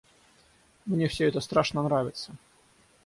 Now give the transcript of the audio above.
Мне всё это страшно нравится!